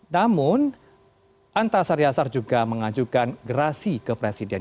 namun antasari asar juga mengajukan gerasi ke presiden